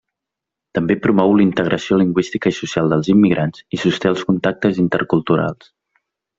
També promou la integració lingüística i social dels immigrants i sosté els contactes interculturals.